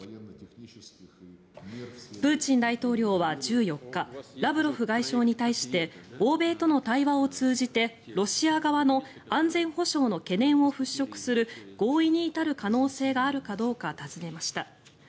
プーチン大統領は１４日ラブロフ外相に対して欧米との対話を通じてロシア側の安全保障の懸念を払しょくする合意に至る可能性があるかどうか尋ねました。